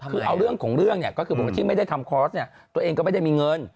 คือเอาเรื่องของเรื่องเนี่ยก็คือบอกว่าที่ไม่ได้ทำคอร์สเนี่ยตัวเองก็ไม่ได้มีเงิน